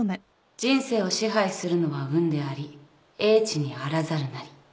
「人生を支配するのは運であり英知にあらざるなり」